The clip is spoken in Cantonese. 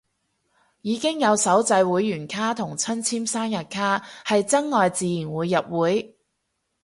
已經有手製會員卡同親簽生日卡，係真愛自然會入會